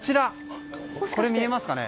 これ、見えますかね。